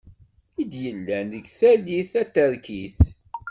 I d-yellan deg tallit taterkit.